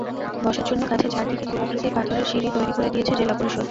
বসার জন্য গাছের চারদিকে গোলাকৃতির পাথরের সিঁড়ি তৈরি করে দিয়েছে জেলা পরিষদ।